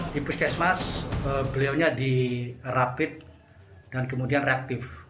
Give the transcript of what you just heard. di puskesmas beliaunya di rapid dan kemudian reaktif